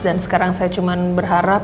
dan sekarang saya cuma berharap